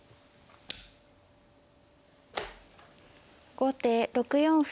後手６四歩。